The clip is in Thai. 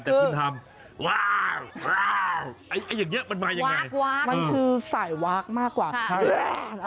คือวา้าาาาวากอย่างนี้มันมาอย่างไรมันคือสายวากมากกว่าสายหวาาา้